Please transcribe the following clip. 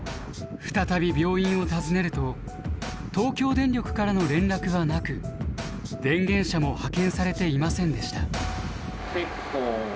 再び病院を訪ねると東京電力からの連絡はなく電源車も派遣されていませんでした。